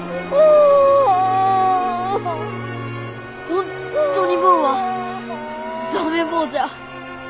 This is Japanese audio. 本当に坊は駄目坊じゃ。